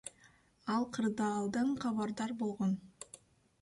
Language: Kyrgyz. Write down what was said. Ал кырдаалдан кабардар болгон.